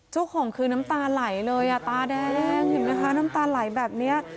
เจ้าของคือน้ำตาไหลเลยอ่ะตาแดงเห็นไหมคะน้ำตาไหลแบบนี้